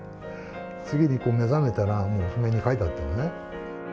次に目覚めたら、もう譜面に書いてあったのね。